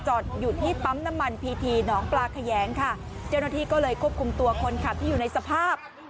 อยู่ที่ปั๊มน้ำมันพีทีหนองปลาแขยงค่ะเจ้าหน้าที่ก็เลยควบคุมตัวคนขับที่อยู่ในสภาพ